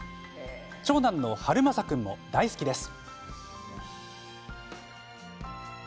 長男の晴雅君も大好きです。